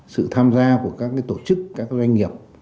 sự tham gia của các tổ chức các doanh nghiệp